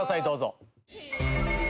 どうぞ。